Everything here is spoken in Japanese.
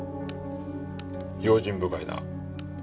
用心深いな。